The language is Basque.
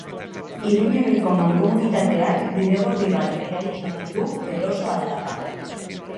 Iruñerriko mankomunitateak bidegorri bat eraiki nahi du Beloso aldapan